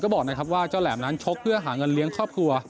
บอกนะครับว่าเจ้าแหลมนั้นชกเพื่อหาเงินเลี้ยงครอบครัว